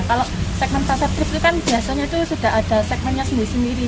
kalau segmen pasar trip itu kan biasanya itu sudah ada segmennya sendiri sendiri